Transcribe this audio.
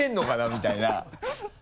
みたいな。